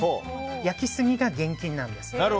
焼きすぎが厳禁なんです。